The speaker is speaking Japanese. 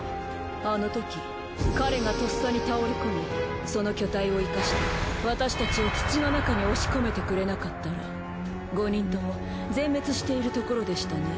あのとき彼がとっさに倒れ込みその巨体を生かして私たちを土の中に押し込めてくれなかったら５人とも全滅しているところでしたね。